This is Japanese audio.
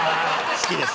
好きです。